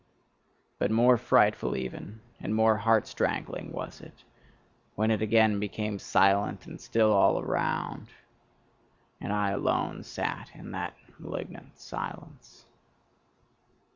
But more frightful even, and more heart strangling was it, when it again became silent and still all around, and I alone sat in that malignant silence.